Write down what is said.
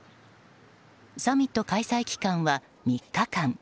サミット開催期間は３日間。